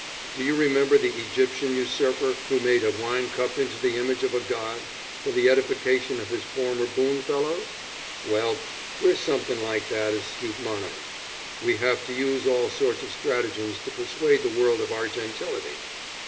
Do you remember the Egyptian usurper who made a wine cup into the image of a god, for the edification of his former boon fellows? Well, we're somethin' like that astute monarch; we have to use all sorts of stratagems to persuade the world of our gentility.